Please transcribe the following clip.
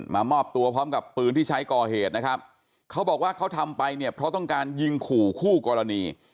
มอบตัวพร้อมกับปืนที่ใช้ก่อเหตุนะครับเขาบอกว่าเขาทำไปเนี่ยเพราะต้องการยิงขู่คู่กรณี